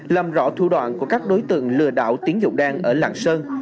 làm rõ thủ đoạn của các đối tượng lừa đảo tiếng dụng đen ở làng sơn